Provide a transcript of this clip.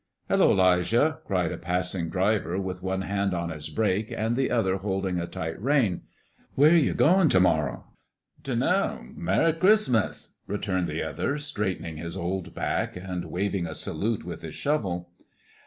"Hullo, 'Lijah!" called a passing driver, with one hand on his brake and the other holding a tight rein, "where you goin' to morrow?" "Dunno; Merry Chris'mus!" returned the other, straightening his old back and waving a salute with his shovel.